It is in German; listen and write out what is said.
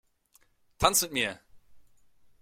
Tanz mit mir!